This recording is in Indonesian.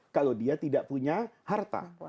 kalau dia tidak punya harta